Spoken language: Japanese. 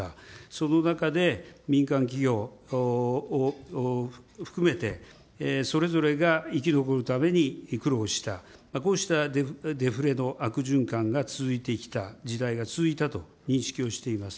その中で、民間企業を含めて、それぞれが生き残るために苦労した、こうしたデフレの悪循環が続いてきた時代が続いたと認識をしています。